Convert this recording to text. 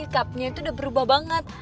cupnya itu udah berubah banget